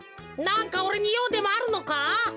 なんかおれにようでもあるのか？